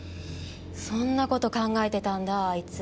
そんなこと考えてたんだあいつ。